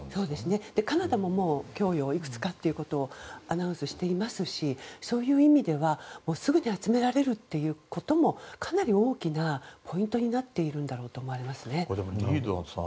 カナダも供与をいくつかということをアナウンスしていますしそういう意味ではすぐに集められるということもかなり大きなポイントになっているんだろうと思います。